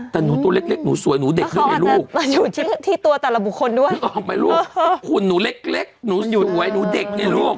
แต่หนูตัวเล็กหนูสวยหนูเด็กด้วยเนี่ยลูกมันออกไปลูกคุณหนูเล็กหนูสวยหนูเด็กเนี่ยลูก